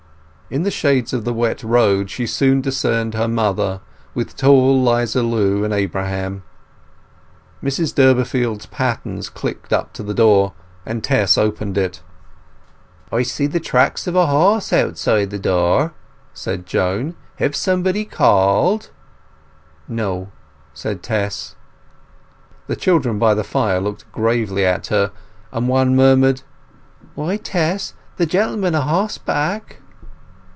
In the shades of the wet road she soon discerned her mother with tall 'Liza Lu and Abraham. Mrs Durbeyfield's pattens clicked up to the door, and Tess opened it. "I see the tracks of a horse outside the window," said Joan. "Hev somebody called?" "No," said Tess. The children by the fire looked gravely at her, and one murmured— "Why, Tess, the gentleman a horseback!"